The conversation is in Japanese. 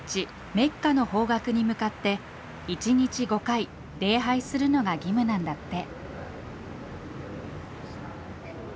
メッカの方角に向かって１日５回礼拝するのが義務なんだって。